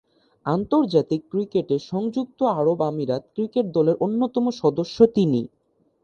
আন্তর্জাতিক ক্রিকেটে সংযুক্ত আরব আমিরাত ক্রিকেট দলের অন্যতম সদস্য তিনি।